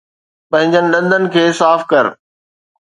پنھنجن ڏندن کي صاف ڪر